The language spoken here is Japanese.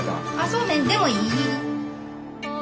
そうめんでもいい。